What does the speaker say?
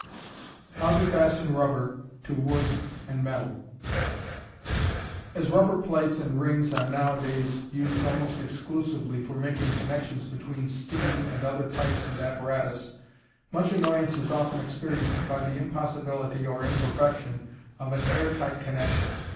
How to Fasten Rubber to Wood and Metal. As rubber plates and rings are now a days used almost exclusively for making connections between steam and other pipes and apparatus, much annoyance is often experienced by the impossibility or imperfection of an air tight connection.